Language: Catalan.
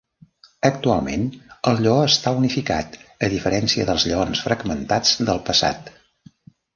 Actualment el lleó està unificat, a diferència dels lleons fragmentats del passat.